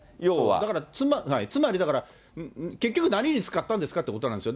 だからつまり、結局何に使ったんですかということなんですよ。